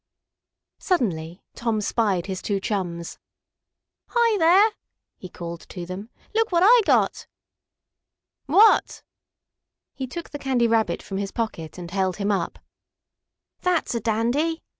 Suddenly Tom spied his two chums. "Hi there!" he called to them. "Look what I got!" "What?" He took the Candy Rabbit from his pocket and held him up. "That's a dandy!"